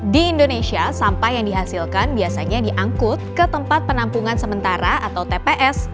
di indonesia sampah yang dihasilkan biasanya diangkut ke tempat penampungan sementara atau tps